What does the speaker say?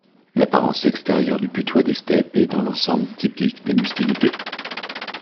L'apparence extérieure du putois des steppes est dans l'ensemble typique des mustélidés.